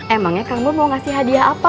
emangnya kamu mau ngasih hadiah apa